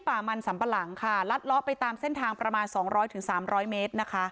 ป่ามันสัมปะหลังค่ะลัดเลาะไปตามเส้นทางประมาณ๒๐๐๓๐๐เมตรนะคะ